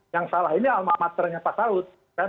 yang salah ini almamaternya pak saud